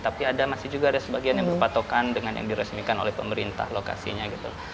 tapi ada masih juga ada sebagian yang berpatokan dengan yang diresmikan oleh pemerintah lokasinya gitu